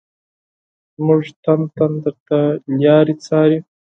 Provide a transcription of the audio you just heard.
زمونږ تن تن درته لاري څاري